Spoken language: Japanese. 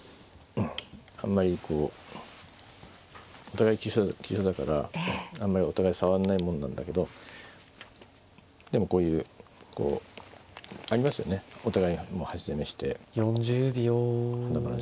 あんまりこうお互い急所だからあんまりお互い触んないもんなんだけどでもこういうこうありますよねお互い端攻めして華々しくなるっていうのはね。